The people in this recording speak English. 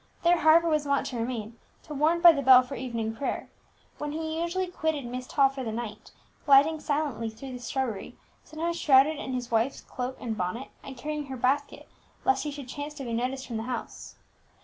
There Harper was wont to remain till warned by the bell for evening prayer, when he usually quitted Myst Hall for the night, gliding silently through the shrubbery, sometimes shrouded in his wife's cloak and bonnet, and carrying her basket, lest he should chance to be noticed from the house.